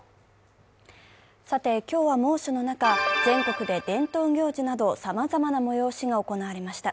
さて今日は猛暑の中全国で伝統行事などさまざまな催しが行われました。